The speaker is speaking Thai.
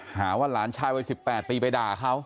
หาว่าหลานชายวัย๑๘ปีไปด่าเขา